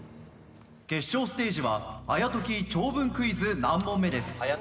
決勝ステージは「早解き長文クイズ何問目？」です。